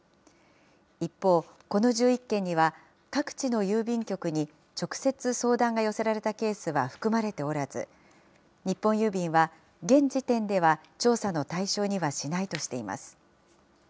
一方、この１１件には、各地の郵便局に直接相談が寄せられたケースは含まれておらず、日本郵便は現時点では調査の対象にはしないとしています。